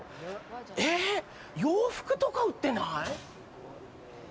えっ、洋服とか売ってない？